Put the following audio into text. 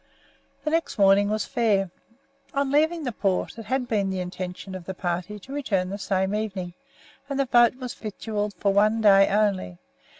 The next morning was fair. On leaving the port it had been the intention of the party to return the same evening, and the boat was victualled for one day only.